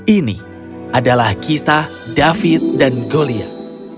ini adalah kisah david dan goliat